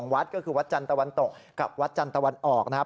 วัดจันตวันตกกับวัดจันตวันออกนะครับ